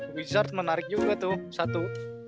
oh wizards menarik juga tuh satu